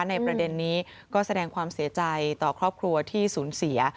ในประเด็นนี้ก็แสดงความเสียใจต่อครอบครัวที่สูญเสีย